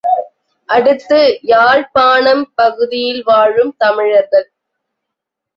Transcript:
அடுத்து யாழ்ப் பாணம் பகுதியில் வாழும் தமிழர்கள்.